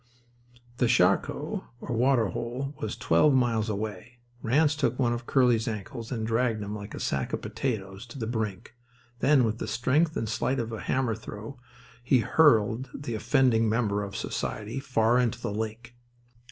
The charco, or water hole, was twelve yards away. Ranse took one of Curly's ankles and dragged him like a sack of potatoes to the brink. Then with the strength and sleight of a hammer throw he hurled the offending member of society far into the lake.